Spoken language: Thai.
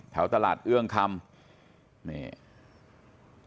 แถวตลาดเอื้องคำนี่